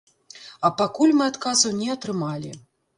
А пакуль мы адказаў не атрымалі.